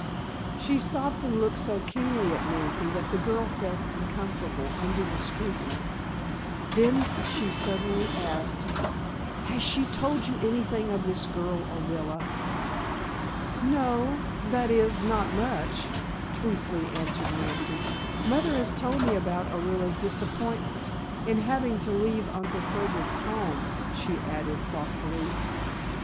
She stopped and looked so keenly at Nancy that the girl felt uncomfortable under the scrutiny. Then she suddenly asked: "Has she told you anything of this girl, Orilla?" "No, that is, nothing much," truthfully answered Nancy. "Mother has told me about Orilla's disappointment in having to leave Uncle Frederic's home," she added, thoughtfully.